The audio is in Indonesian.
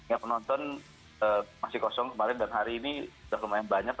ya penonton masih kosong kemarin dan hari ini sudah lumayan banyak